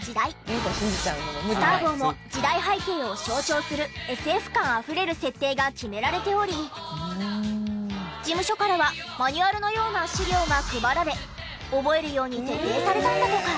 スターボーも時代背景を象徴するＳＦ感あふれる設定が決められており事務所からはマニュアルのような資料が配られ覚えるように徹底されたんだとか。